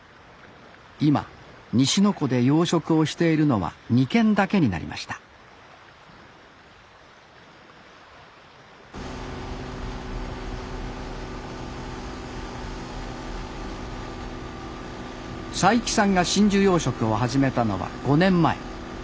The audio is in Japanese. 今西の湖で養殖をしているのは２軒だけになりました齋木さんが真珠養殖を始めたのは５年前。